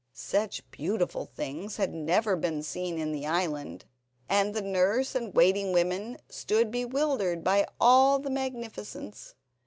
Such beautiful things had never been seen in the island, and the nurse and waiting women stood bewildered by all the magnificence.